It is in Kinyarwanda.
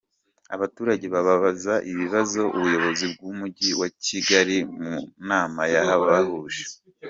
Abaturage bababaza ibibazo ubuyobozi bw’umujyi wa Kigali mu nama yabahuje.